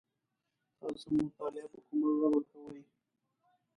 تاسو مطالعه په کومه ژبه کوی ؟